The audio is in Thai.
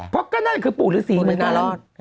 พวกนั่นคือปู่ฤษีไงนั้น